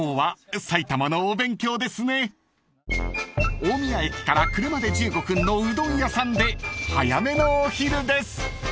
［大宮駅から車で１５分のうどん屋さんで早めのお昼です］